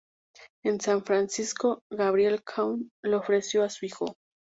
En San Francisco, Gabriel Kahn le ofreció a su hijo.